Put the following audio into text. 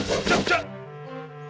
jat jat jat